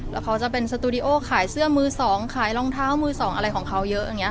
แล้วเขาจะเป็นสตูดิโอขายเสื้อมือสองขายรองเท้ามือสองอะไรของเขาเยอะอย่างนี้